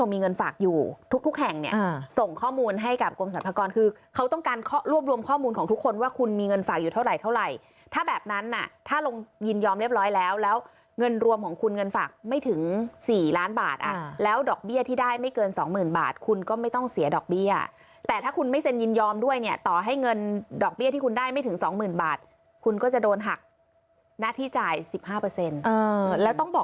มีเงินฝากอยู่เท่าไหร่เท่าไหร่ถ้าแบบนั้นน่ะถ้าลงยินยอมเรียบร้อยแล้วแล้วเงินรวมของคุณเงินฝากไม่ถึงสี่ล้านบาทอ่ะแล้วดอกเบี้ยที่ได้ไม่เกินสองหมื่นบาทคุณก็ไม่ต้องเสียดอกเบี้ยแต่ถ้าคุณไม่เซ็นยินยอมด้วยเนี้ยต่อให้เงินดอกเบี้ยที่คุณได้ไม่ถึงสองหมื่นบาทคุณก็จะโดนหักหน้าท